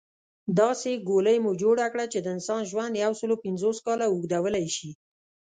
داسې ګولۍ مو جوړه کړه چې د انسان ژوند يوسل پنځوس کاله اوږدولی شي